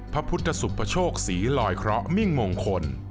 พระพุทธสุปโชคศรีลอยเคราะหมิ่งมงคล